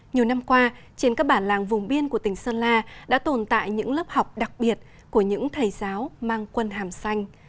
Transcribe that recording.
nhiều năm qua trên các bản làng vùng biên của tỉnh sơn la đã tồn tại những lớp học đặc biệt của những thầy giáo mang quân hàm xanh